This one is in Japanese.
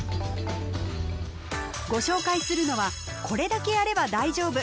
ご紹介するのはこれだけやれば大丈夫！